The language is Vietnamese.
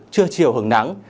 chưa chiều hứng nắng